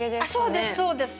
そうです、そうです。